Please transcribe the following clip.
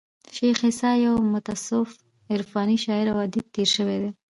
شېخ عیسي یو متصوف عرفاني شاعر او ادیب تیر سوى دئ.